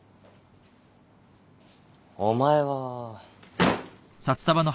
お前は。